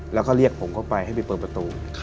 แล้วก็เรียกผมเข้าไปให้ไปเปิดประตู